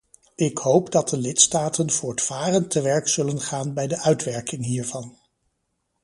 Ik hoop dat de lidstaten voortvarend te werk zullen gaan bij de uitwerking hiervan.